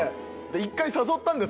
１回誘ったんです